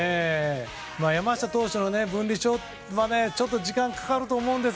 山下投手の分離症はちょっと時間かかると思います。